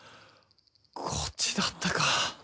こっちだったか